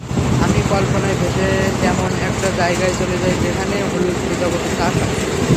আমি কল্পনায় ভেসে তেমন একটা জায়গায় চলে যাই যেখানে হলুদ প্রজাপতির চাষ হয়।